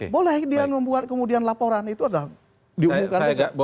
boleh dia membuat kemudian laporan itu adalah diumumkan